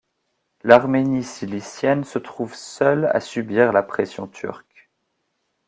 L'Arménie cilicienne se retrouve seule à subir la pression turque.